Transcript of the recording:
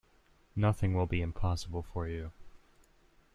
Nothing will be impossible for you.